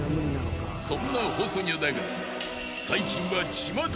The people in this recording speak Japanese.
［そんな細魚だが］